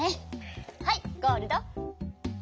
はいゴールド。